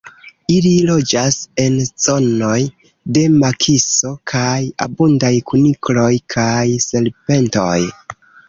Ili loĝas en zonoj de makiso kaj abundaj kunikloj kaj serpentoj.